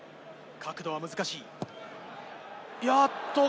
角度は難しい。